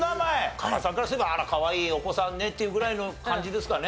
加賀さんからすればあらかわいいお子さんねっていうぐらいの感じですかね。